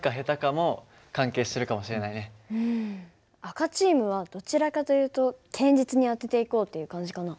赤チームはどちらかというと堅実に当てていこうっていう感じかな。